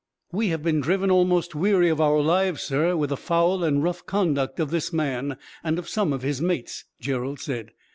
"We have been driven almost weary of our lives, sir, with the foul and rough conduct of this man, and of some of his mates," Gerald said.